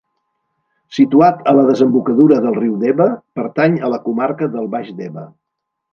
Situat a la desembocadura del riu Deba, pertany a la comarca del baix Deba.